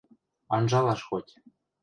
Анжалаш хоть...